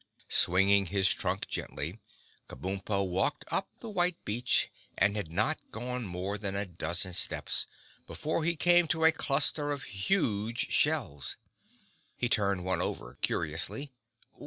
Swinging his trunk gently, Kabumpo walked up the white beach, and had not gone more than a dozen steps before he came to a cluster of huge shells. He turned one over curiously.